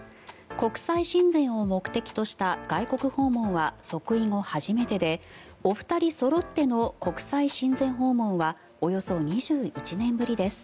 国際親善を目的とした外国訪問は即位後初めてでお二人そろっての国際親善訪問はおよそ２１年ぶりです。